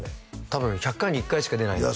多分１００回に１回しか出ないいや